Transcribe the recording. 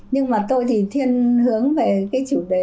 nhưng mà tôi thì thiên hướng về cái chủ đề